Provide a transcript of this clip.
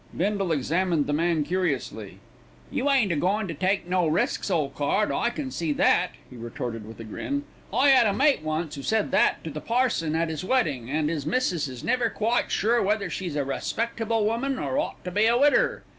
Bindle examined the man curiously. "You ain't a goin' to take no risks, ole card, I can see that," he retorted with a grin. "I 'ad a mate once 'oo said that to the parson at 'is weddin', an' 'is missis is never quite sure whether she's a respectable woman or ought to be a widder.